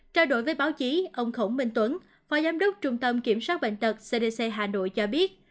trao đổi với báo chí ông khổng minh tuấn phó giám đốc trung tâm kiểm soát bệnh tật cdc hà nội cho biết